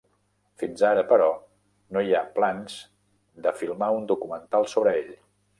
Fins ara, però, no hi ha plans de filmar un documental sobre ell.